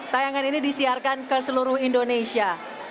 tayangan ini disiarkan ke seluruh indonesia